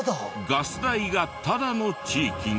ガス代がタダの地域が。